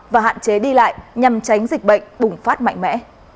và hạn chế đi lại nhằm tránh dịch bệnh bùng phát mạnh mẽ